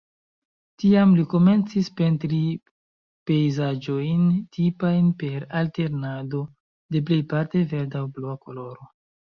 Tiam li komencis pentri pejzaĝojn, tipajn per alternado de plejparte verda aŭ blua koloro.